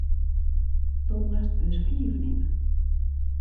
Do moatst bus fiif nimme.